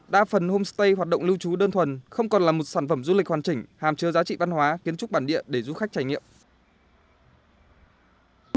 đa phần homestay hoạt động lưu trú đơn thuần không còn là một sản phẩm du lịch hoàn chỉnh hàm chứa giá trị văn hóa kiến trúc bản địa để du khách trải nghiệm